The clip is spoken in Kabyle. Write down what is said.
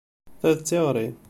Ta d tiɣri.